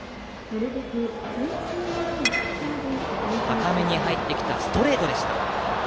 高めに入ってきたストレートでした。